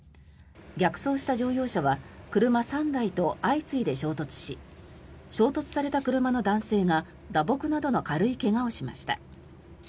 逆走した乗用車は車３台と相次いで衝突し衝突された車の男性が打撲などの軽い怪我をしました。